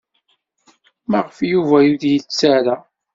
Maɣef Yuba ur d-yettarra?